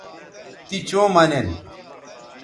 تی چوں مہ نن